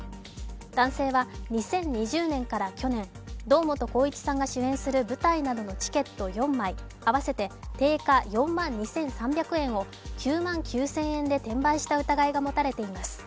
男性は２０２０年から去年、堂本光一さんが主演する舞台などのチケット４枚合わせて定価４万２３００円を９万９０００円で転売した疑いが持たれています。